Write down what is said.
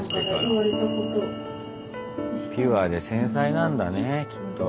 ピュアで繊細なんだねえきっと。